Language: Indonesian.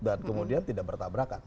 dan kemudian tidak bertabrakan